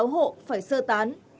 hai mươi sáu hộ phải sơ tán